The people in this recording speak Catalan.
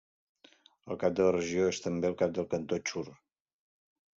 El cap de la regió és també el cap del cantó, Chur.